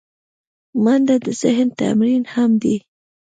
منډه د ذهن تمرین هم دی